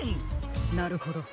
なるほど。